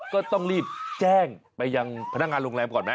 ก็ต้องรีบแจ้งไปยังพนักงานโรงแรมก่อนไหม